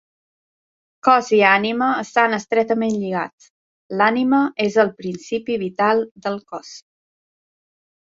Cos i ànima estan estretament lligats: l'ànima és el principi vital del cos.